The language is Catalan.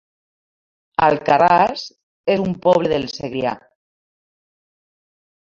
Alcarràs es un poble del Segrià